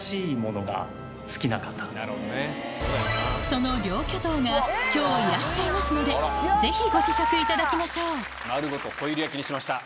その両巨頭が今日いらっしゃいますのでぜひご試食いただきましょう丸ごとホイル焼きにしました。